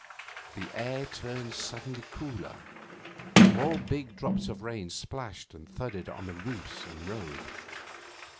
The air turned suddenly cooler. More big drops of rain splashed and thudded on the roofs and road.